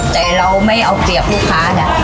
แต่เราไม่เอาเปรียบลูกค้านะ